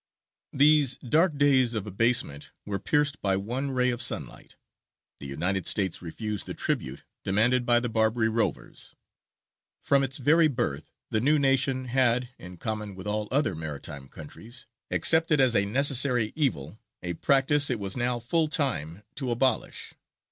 These dark days of abasement were pierced by one ray of sunlight; the United States refused the tribute demanded by the Barbary Rovers. From its very birth the new nation had, in common with all other maritime countries, accepted as a necessary evil a practice it was now full time to abolish.